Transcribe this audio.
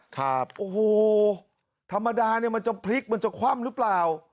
ครับโอ้โหธรรมดาเนี่ยมันจะพลิกมันจะคว่ำหรือเปล่า